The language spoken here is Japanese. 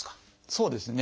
そうですね。